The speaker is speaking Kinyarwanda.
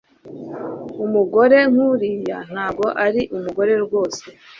umugore nkuriya ntabwo ari umugore, rwose